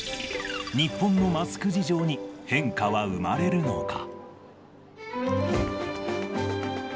日本のマスク事情に変化は生まれるのか。